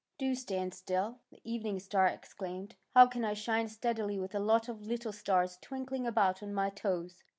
Do stand still," the evening star ex claimed. '^ How can I shine steadily with a lot of little stars twinkling about on my toes?